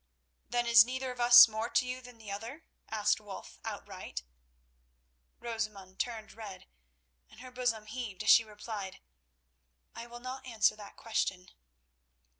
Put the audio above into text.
"Then is neither of us more to you than the other?" asked Wulf outright. Rosamund turned red, and her bosom heaved as she replied: "I will not answer that question."